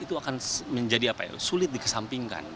itu akan menjadi sulit dikesampingkan